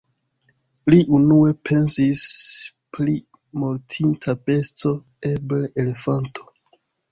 Li unue pensis pri mortinta besto, eble elefanto.